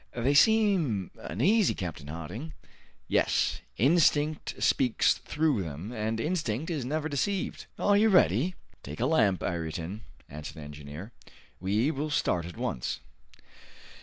"They seem uneasy, Captain Harding." "Yes, instinct speaks through them, and instinct is never deceived." "Are you ready?" "Take a lamp, Ayrton," answered the engineer; "we will start at once."